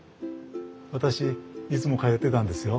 私いつも通ってたんですよ。